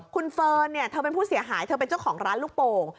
คุณเฟิร์นเนี่ยเธอเป็นผู้เสียหายเธอเป็นเจ้าของร้านลูกโป่ง